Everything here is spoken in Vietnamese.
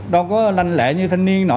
đâu có lanh lệ như thanh niên nọ